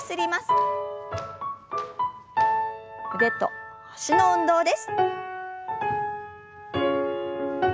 腕と脚の運動です。